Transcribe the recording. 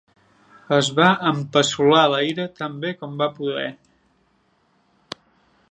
Es va empassolar la ira tan bé com va poder.